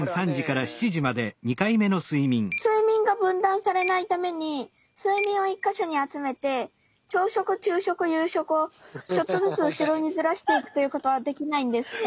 睡眠が分断されないために睡眠を１か所に集めて朝食昼食夕食をちょっとずつ後ろにずらしていくということはできないんですか？